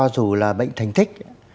dù là bệnh thành tích